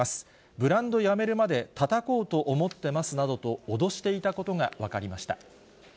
ブランドやめるまでたたこうと思ってますなどと脅していたことが分かりました。